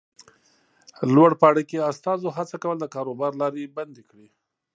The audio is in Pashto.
لوړپاړکي استازو هڅه کوله د کاروبار لارې بندې کړي.